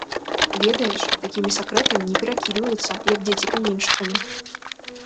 Ведаеш, такімі сакрэтамі не перакідваюцца, як дзеці каменьчыкамі.